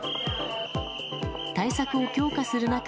対策を強化する中